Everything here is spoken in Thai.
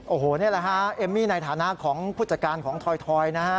โอ้โหนี่แหละฮะเอมมี่ในฐานะของผู้จัดการของทอยนะฮะ